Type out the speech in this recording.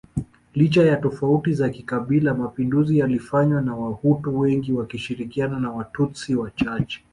licha ya tofauti za kikabila mapinduzi yalifanywa na Wahutu wengi wakishirikiana na Watutsi wachache